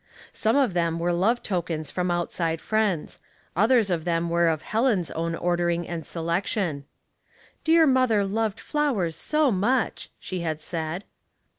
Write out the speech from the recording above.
Some of them were love tokens from outside friends ; others of them were of Helen's own ordering and selection. " Dear mother loved flowers so much," she had said.